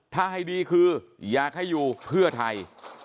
ถ้าให้ดีคืออยากให้อยู่เพื่อไทย